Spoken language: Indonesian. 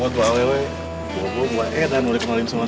tidak tidak tidak tidak tidak